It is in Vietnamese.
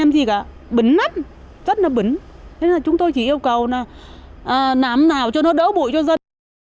thế nên là chúng tôi chỉ yêu cầu nàm nào cho nó đỡ bụi cho dân